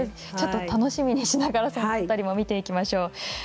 ちょっと楽しみにしながらその辺り見ていきましょう。